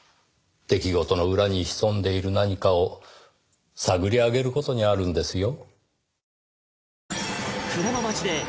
出来事の裏に潜んでいる何かを探り上げる事にあるんですよ。